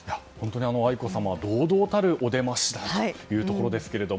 愛子さまは堂々たるお出ましというところですけれども。